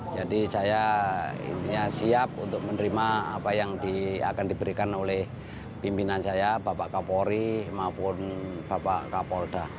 jadi saya siap untuk menerima apa yang akan diberikan oleh pimpinan saya bapak kapolri maupun bapak kapolda